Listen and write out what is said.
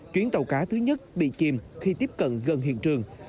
chuyến tàu cá thứ nhất bị chìm khi tiếp cận gần hiện trường